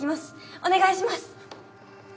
お願いします！